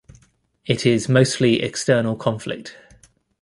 It is mostly external conflict.